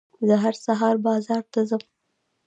زه هر سهار بازار ته ځم.